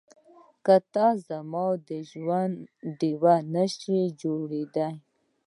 که ته زما د ژوند ډيوه نه شې جوړېدای.